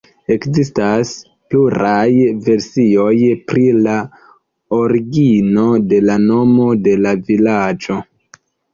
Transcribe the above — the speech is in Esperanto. Ekzistas pluraj versioj pri la origino de la nomo de la vilaĝo.